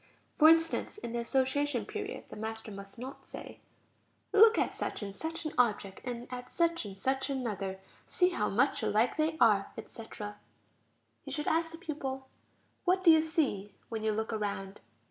For instance, in the association period, the master must not say: "Look at such and such an object, and at such and such another; see how much alike they are, etc...." He should ask the pupil: "What do you see when you look around?